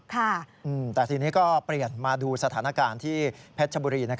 แต่ทีนี้ก็เปลี่ยนมาดูสถานการณ์ที่เพชรชบุรี